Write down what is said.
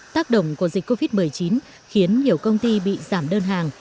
tác động của dịch covid một mươi chín khiến nhiều công ty bị giảm đơn hàng